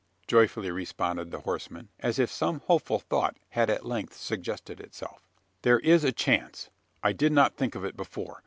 joyfully responded the horseman, as if some hopeful thought had at length suggested itself. "There is a chance. I did not think of it before.